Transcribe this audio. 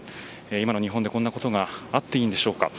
今の日本で、こんなことがあっていいんでしょうか。